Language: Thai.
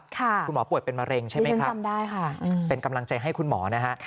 คุณหมอปวดเป็นมะเร็งใช่ไหมครับเป็นกำลังใจให้คุณหมอนะฮะ